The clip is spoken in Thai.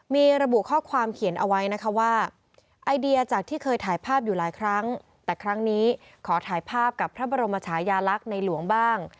มีระบุข้อความเขียนเอาไว้นะคะว่าไอเดียจากที่เคยถ่ายภาพอยู่หลายครั้งแต่ครั้งนี้ขอถ่ายภาพกับพระบรมชายาลักษณ์ในหลวงบ้าง